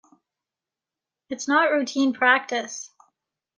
It's not routine practice.